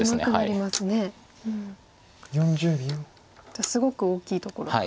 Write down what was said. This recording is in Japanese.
じゃあすごく大きいところと。